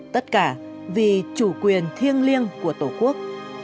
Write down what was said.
tất cả vì chủ quyền thiêng liêng của tổ quốc